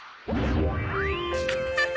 アッハハ！